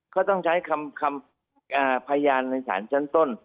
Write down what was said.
ก็ต้องใช้คำพยานในศาลชั้นต้น